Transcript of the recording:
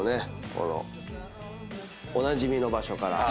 このおなじみの場所から。